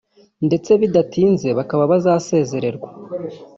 ndetse bidatinze bakaba bazasezererwa